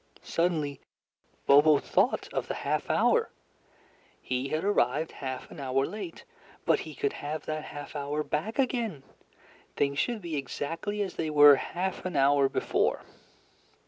Suddenly Bobo thought of the half hour. He had arrived half an hour late, but he could have that half hour back again! Things should be exactly as they were half an hour before.